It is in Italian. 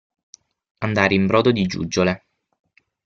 Andare in brodo di giuggiole.